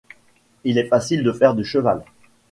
Il est facile de faire du cheval.